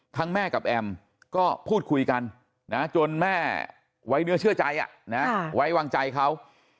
แม่กับแอมก็พูดคุยกันนะจนแม่ไว้เนื้อเชื่อใจไว้วางใจเขา